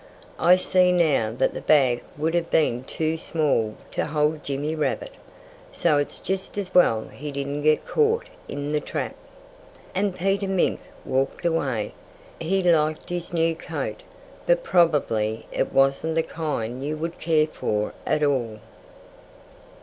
"I see now that the bag would have been much too small to hold Jimmy Rabbit. So it's just as well he didn't get caught in the trap." And Peter Mink walked away. He liked his new coat But probably it wasn't the kind you would care for at all.